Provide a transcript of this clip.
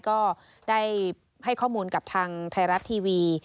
ก็ได้ให้ข้อมูลกับทางไทยรัฐทีวี